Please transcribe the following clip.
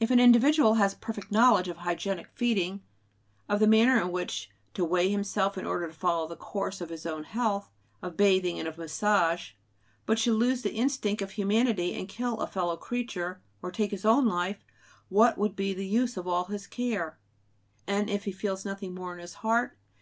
If an individual has a perfect knowledge of hygienic feeding, of the manner in which to weigh himself in order to follow the course of his own health, of bathing and of massage, but should lose the instinct of humanity and kill a fellow creature, or take his own life, what would be the use of all his care? And if he feels nothing more in his heart?